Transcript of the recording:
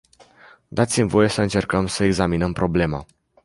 Dați-mi voie să încercăm să examinăm problema.